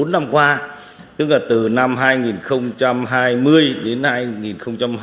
bốn năm qua tức là từ năm hai nghìn hai mươi đến hai nghìn hai mươi